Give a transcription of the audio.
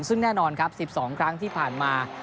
ซึ่งแน่นอนครับ๑๒ครั้งที่ผ่านมา